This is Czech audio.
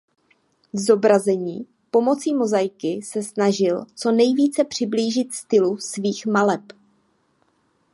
V zobrazení pomocí mozaiky se snažil co nejvíce přiblížit stylu svých maleb.